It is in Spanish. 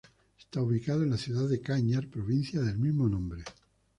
Está ubicado en la ciudad de Cañar, provincia del mismo nombre.